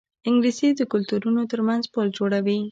انګلیسي د کلتورونو ترمنځ پل جوړوي